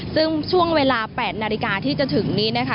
ซึ่งช่วงเวลา๘นาฬิกาที่จะถึงนี้นะคะ